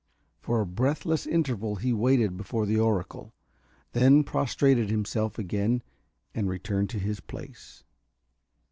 For a breathless interval he waited before the oracle, then prostrated himself again and returned to his place.